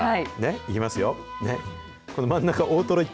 いきますよ。